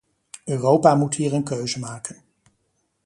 Europa moet hier een keuze maken.